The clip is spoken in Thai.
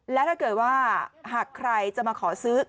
และถ้าเกิดว่าหากใครจะมาขอซื้อ